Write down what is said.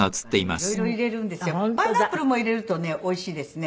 パイナップルも入れるとねおいしいですね。